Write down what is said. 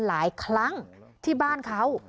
หลายครั้งที่บ้านเขา